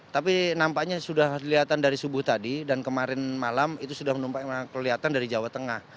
tapi nampaknya sudah kelihatan dari subuh tadi dan kemarin malam itu sudah menumpang kelihatan dari jawa tengah